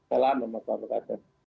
waalaikumsalam pak pak